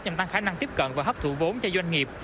nhằm tăng khả năng tiếp cận và hấp thụ vốn cho doanh nghiệp